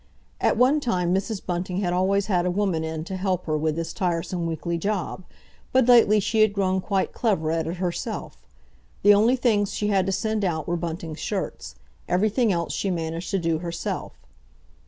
At one time Mrs. Bunting had always had a woman in to help her with this tiresome weekly job, but lately she had grown quite clever at it herself. The only things she had to send out were Bunting's shirts. Everything else she managed to do herself.